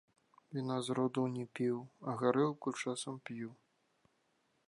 Віна з роду не піў, а гарэлку часам п'ю.